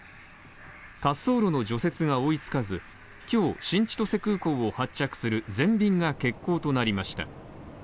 滑走路の除雪が追いつかず、今日新千歳空港を発着する全便が欠航となりました。